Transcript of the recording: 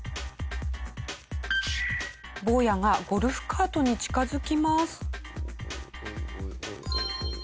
坊やがゴルフカートに近づきます。